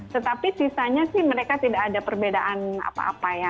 tetapi sisanya sih mereka tidak ada perbedaan apa apa ya